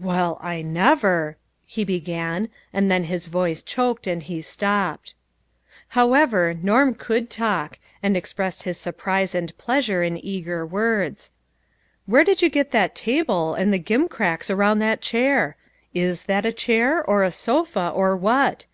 "Well, I never," he began, and then his voice choked, and he stopped. 184 LITTLE FISHEES: AND THEIR NETS. However, Norm could talk, and expressed his surprise and pleasure in eager words. " Where did you get the table, and the gimcracks around that chair ? Is that a chair, or a sofa, or what